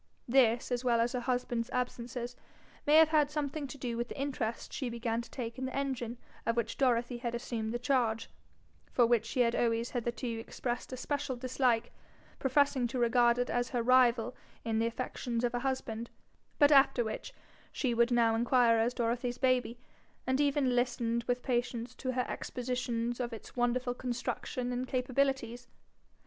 This, as well as her husband's absences, may have had something to do with the interest she began to take in the engine of which Dorothy had assumed the charge, for which she had always hitherto expressed a special dislike, professing to regard it as her rival in the affections of her husband, but after which she would now inquire as Dorothy's baby, and even listen with patience to her expositions of its wonderful construction and capabilities.